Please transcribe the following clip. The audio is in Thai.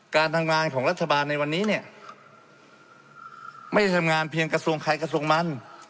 การทำงานของรัฐบาลในวันนี้เนี่ยไม่ได้ทำงานเพียงกระทรวงใครกระทรวงมัน